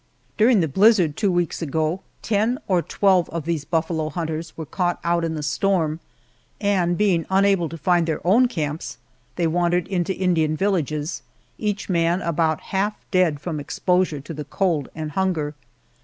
During the blizzard two weeks ago ten or twelve of these buffalo hunters were caught out in the storm, and being unable to find their own camps they wandered into Indian villages, each man about half dead from exposure to the cold and hunger.